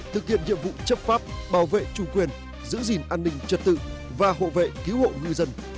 thực hiện nhiệm vụ chấp pháp bảo vệ chủ quyền giữ gìn an ninh trật tự và hộ vệ cứu hộ ngư dân